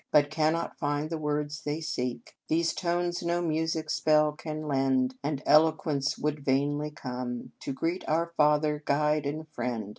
But cannot find the words they seek. These tones no music s spell can lend ; And eloquence would vainly come To greet our Father, Guide, and Friend.